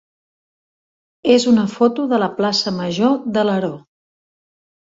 és una foto de la plaça major d'Alaró.